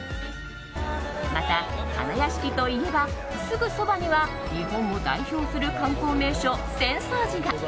また花やしきといえばすぐそばには日本を代表する観光名所浅草寺が。